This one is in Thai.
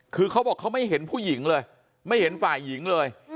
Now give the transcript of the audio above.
คือเขาบอกเขาไม่เห็นผู้หญิงเลยไม่เห็นฝ่ายหญิงเลย